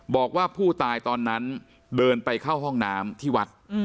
บอกว่าผู้ตายตอนนั้นเดินไปเข้าห้องน้ำที่วัด